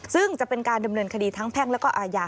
ซึ่งจะเป็นการดำเนินคดีทั้งแพ่งแล้วก็อาญา